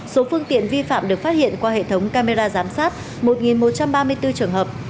số phương tiện vi phạm được phát hiện qua hệ thống camera giám sát một một trăm ba mươi bốn trường hợp